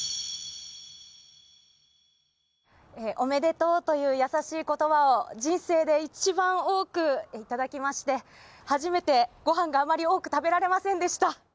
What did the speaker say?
おめでとうという優しいことばを、人生で一番多くいただきまして、初めて、ごはんがあまり多く食べられませんでした。